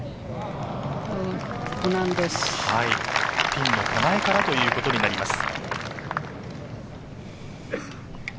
ピンの手前からということになります。